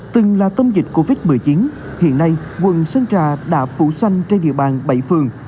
từng là tâm dịch covid một mươi chín hiện nay quận sơn trà đã phủ xanh trên địa bàn bảy phường